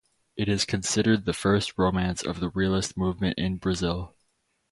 It is considered the first romance of the realist movement in Brazil.